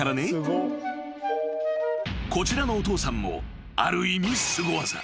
［こちらのお父さんもある意味］